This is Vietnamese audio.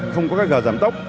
không có các gờ giảm tốc